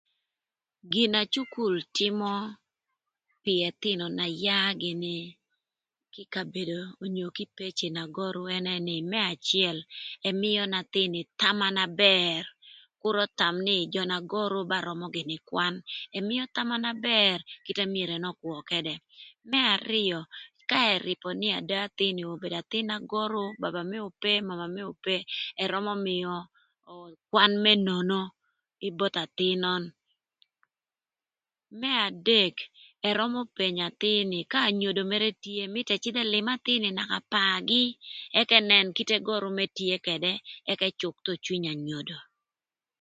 Gina cukul tïmö pï ëthïnö na yaa gïnï kï kabedo onyo kï peci na görü ënë nï më acël ëmïö athïn ni thama na bër kür ötham nï jö na görü ba römö gïnï kwan ëmïö thama na bër kite na myero ën ökwö këdë. Më arïö ka ërïpö nï ada athïn ni obedo athïn na görü baba më ope mama më ope ërömö mïö kwan më nono both athïn nön. Më adek ërömö penyo athïn ni ka anyodo mërë tye mïtö ëcïdh ëlïn athïn ni naka paagï ëk ënën kite görü mërë tye këdë ëk ëcük thon cwiny anyodo.